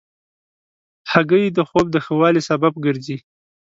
هګۍ د خوب د ښه والي سبب ګرځي.